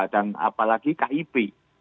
dan apalagi kip